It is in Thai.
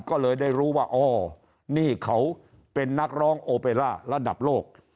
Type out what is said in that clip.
ก็เลยได้รู้ว่าอ๋อนี่เขาเป็นนักร้องโอเปล่าระดับโลก